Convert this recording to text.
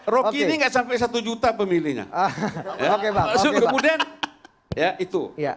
roky ini gak sampai satu juta pemilinya